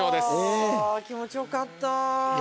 気持ちよかった。